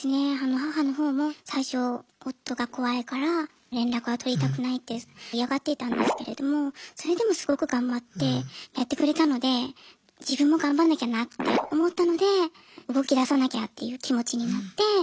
母の方も最初夫が怖いから連絡は取りたくないって嫌がっていたんですけれどもそれでもすごく頑張ってやってくれたので自分も頑張んなきゃなって思ったので動きださなきゃっていう気持ちになって。